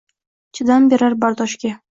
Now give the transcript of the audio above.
Chidam berar bardoshga.